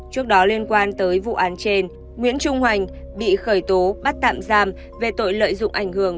trước đó liên quan tới vụ án trên nguyễn trung hoành bị khởi tố bắt tạm giam về tội lợi dụng ảnh hưởng